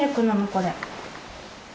これ。